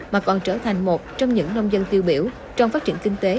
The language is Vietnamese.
mà còn trở thành một trong những nông dân tiêu biểu trong phát triển kinh tế